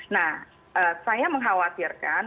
nah saya mengkhawatirkan